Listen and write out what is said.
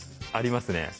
ありますね。